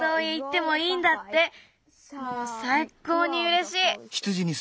もうさいこうにうれしい！